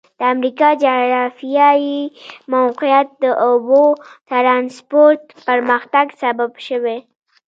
د امریکا جغرافیایي موقعیت د اوبو ترانسپورت پرمختګ سبب شوی.